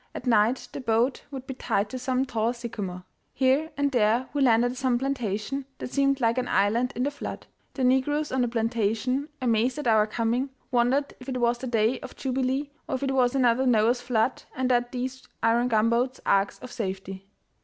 At night the boat would be tied to some tall sycamore. Here and there we landed at some plantation that seemed like an island in the flood. The negroes on the plantation, amazed at our coming, wondered if it was the day of Jubilee or if it was another Noah's flood and that these iron gunboats arks of safety.